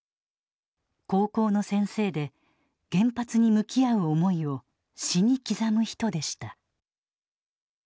高校の先生で原発に向き合う思いを詩に刻む人でした。